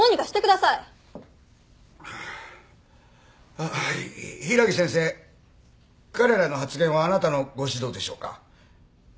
あぁ柊木先生彼らの発言はあなたのご指導でしょうか？